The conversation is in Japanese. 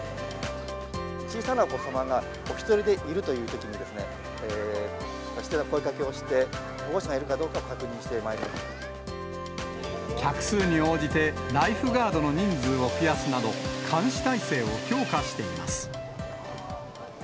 小さなお子様がお一人でいるというときに、声がけをして、保護者がいるかどうか確認してま客数に応じてライフガードの人数を増やすなど、監視体制を強化しています。